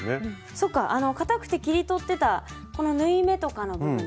そっかかたくて切り取ってたこの縫い目とかの部分ですね。